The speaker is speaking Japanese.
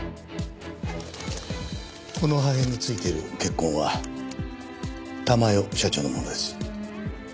この破片に付いている血痕は珠代社長のものです。